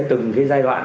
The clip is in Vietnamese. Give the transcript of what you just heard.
từng giai đoạn